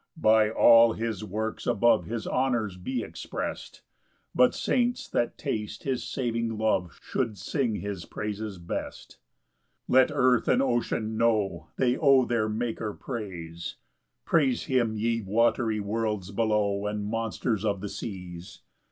6 By all his works above His honours be exprest; But saints that taste his saving love Should sing his praises best. PAUSE I. 7 Let earth and ocean know They owe their Maker praise; Praise him, ye watery worlds below, And monsters of the seas.